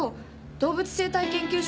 動物生態研究所？